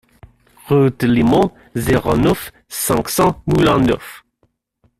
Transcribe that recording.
Route de Limoux, zéro neuf, cinq cents Moulin-Neuf